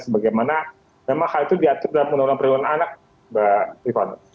sebagaimana memang hal itu diatur dalam penolakan perlindungan anak mbak rikana